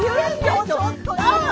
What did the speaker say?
ちょっと。